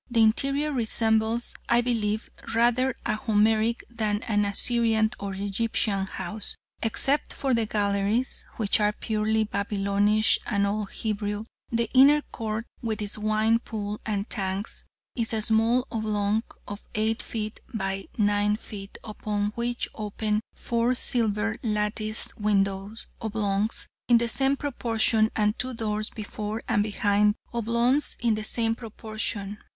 The interior resembles, I believe, rather a Homeric, than an Assyrian or Egyptian house except for the 'galleries,' which are purely Babylonish and Old Hebrew. The inner court, with its wine pool and tanks, is a small oblong of 8 ft. by 9 ft., upon which open four silver latticed window oblongs in the same proportion, and two doors, before and behind, oblongs in the same proportion.